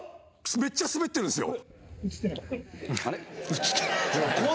めっちゃスベってるんですよ。